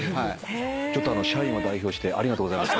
ちょっと社員を代表してありがとうございます。